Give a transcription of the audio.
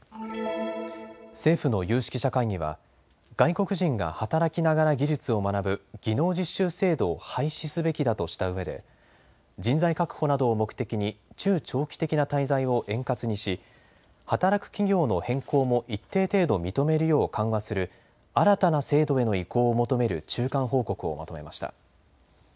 政府の有識者会議は外国人が働きながら技術を学ぶ技能実習制度を廃止すべきだとしたうえで人材確保などを目的に中長期的な滞在を円滑にし働く企業の変更も一定程度認めるよう緩和する新たな制度への移行を求める中間報告をまとめました。